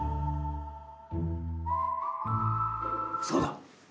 そうだ！